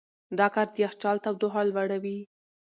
دا کار د یخچال تودوخه لوړوي.